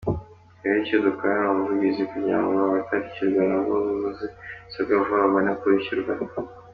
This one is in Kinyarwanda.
Twebwe icyo dukora ni ubuvugizi kugirango abatarishyurwa nabo buzuze ibisabwa vuba babone uko bishyurwa.